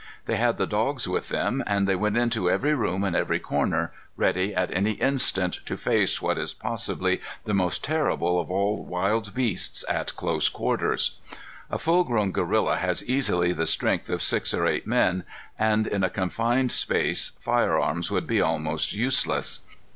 They had the dogs with them, and they went into every room and every corner, ready at any instant to face what is possibly the most terrible of all wild beasts at close quarters. A full grown gorilla has easily the strength of six or eight men, and in a confined space firearms would be almost useless.